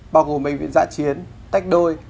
bao gồm bệnh viện dạ chiến tách đôi